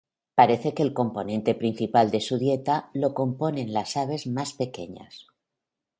Parece que el componente principal de su dieta lo componen las aves más pequeñas.